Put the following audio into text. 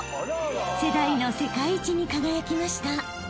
［世代の世界一に輝きました］